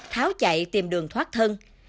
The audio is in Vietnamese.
tháo chạy tìm đường thoát thân